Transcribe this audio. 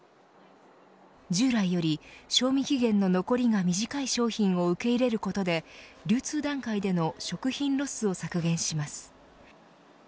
従来より賞味期限の残りが短い商品を受け入れることで流通段階での食品ロスを削減します。